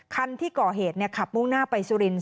คันที่ก่อเหตุขับมุ่งหน้าไปสุรินทร์